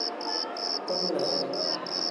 槽茎凤仙花是凤仙花科凤仙花属的植物。